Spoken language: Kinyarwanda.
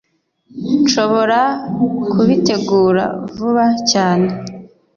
nshobora kubitegura vuba cyane